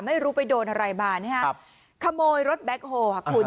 ไม่รู้ไปโดนอะไรมานะครับขโมยรถแบ็คโฮลค่ะคุณ